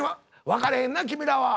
分かれへんな君らは。